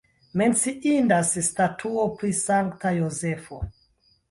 Menciindas statuo pri Sankta Jozefo.